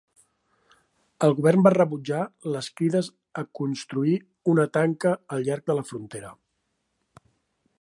El govern va rebutjar les crides a construir una tanca al llarg de la frontera.